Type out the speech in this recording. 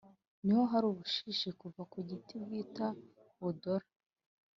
ni ho hari ubushishi buva ku giti bwitwa budola